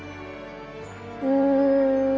うん。